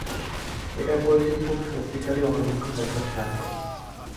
এটা করেছি খুব শক্তিশালী অণুবীক্ষণ যন্ত্রের সাহায্যে।